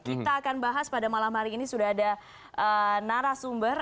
kita akan bahas pada malam hari ini sudah ada narasumber